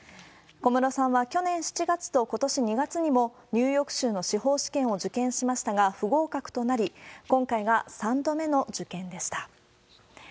小室さんは去年７月とことし２月にも、ニューヨーク州の司法試験を受験しましたが、不合格となり、今回が３度目の受験でした。